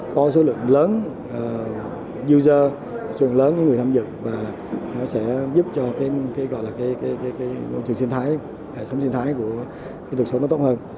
có số lượng lớn user số lượng lớn người tham dự và nó sẽ giúp cho cái trường sinh thái hệ thống sinh thái của thực sống nó tốt hơn